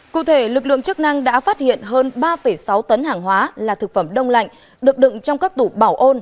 cụ thể lực lượng chức năng đã phát hiện hơn ba sáu tấn hàng hóa là thực phẩm đông lạnh được đựng trong các tủ bảo ôn